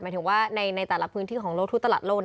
หมายถึงว่าในแต่ละพื้นที่ของโลกทุกตลาดโลก